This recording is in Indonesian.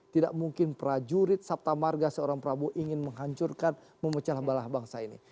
tidak mungkin prajurit sabtamarga seorang prabowo ingin menghancurkan memecah balah bangsa ini